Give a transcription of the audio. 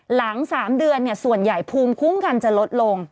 หลัง๓เดือนส่วนใหญ่ภูมิคุ้มกันจะลดลง